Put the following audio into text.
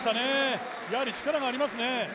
やはり力がありますね。